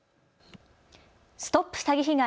ＳＴＯＰ詐欺被害！